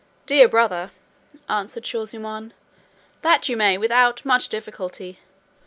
"Dear brother," answered Shaw zummaun, "that you may without much difficulty.